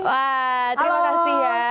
wah terima kasih ya